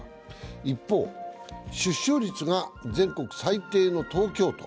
一方、出生率が全国最低の東京都。